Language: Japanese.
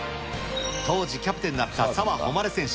当時、キャプテンだった澤穂希選手。